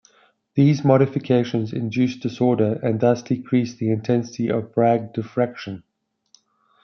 These modifications induce disorder and thus decrease the intensity of Bragg diffraction.